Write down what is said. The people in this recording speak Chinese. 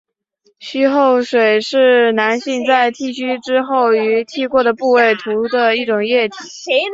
须后水是男性在剃须之后于剃过的部位涂的一种液体。